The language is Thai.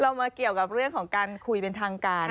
เรามาเกี่ยวกับเรื่องของการคุยเป็นทางการ